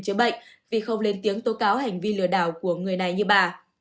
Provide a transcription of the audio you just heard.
chữa bệnh vì không lên tiếng tố cáo hành vi lừa đảo của người này như bà